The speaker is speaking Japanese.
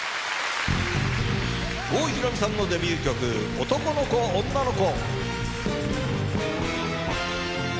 郷ひろみさんのデビュー曲『男の子女の子』。